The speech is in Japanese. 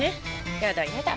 やだやだ。